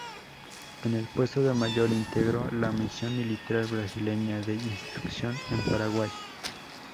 En el puesto de mayor, integró la misión militar brasileña de instrucción en Paraguay.